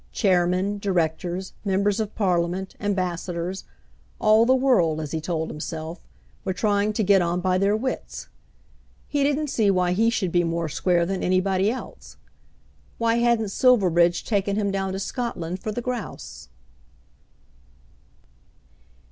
Chairmen, directors, members of Parliament, ambassadors, all the world, as he told himself, were trying to get on by their wits. He didn't see why he should be more square than anybody else. Why hadn't Silverbridge taken him down to Scotland for the grouse?